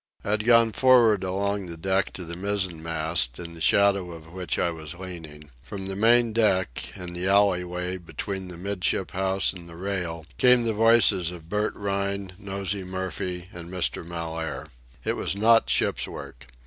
I had gone for'ard along the bridge to the mizzen mast, in the shadow of which I was leaning. From the main deck, in the alley way between the 'midship house and the rail, came the voices of Bert Rhine, Nosey Murphy, and Mr. Mellaire. It was not ship's work.